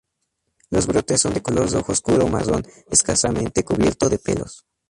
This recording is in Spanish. Los brotes son de color rojo oscuro marrón, escasamente cubierto de pelos.